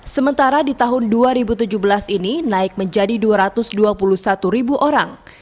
sementara di tahun dua ribu tujuh belas ini naik menjadi dua ratus dua puluh satu ribu orang